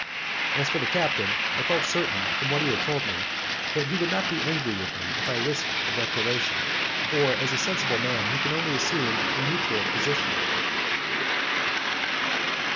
As for the captain, I felt certain, from what he had told me, that he would not be angry with me if I risked a declaration, for as a sensible man he could only assume a neutral position.